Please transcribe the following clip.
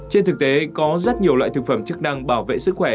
trên thực tế có rất nhiều loại thực phẩm chức năng bảo vệ sức khỏe